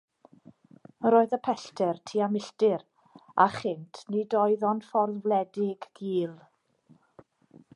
Yr oedd y pellter tua milltir, a chynt nid oedd ond ffordd wledig, gul.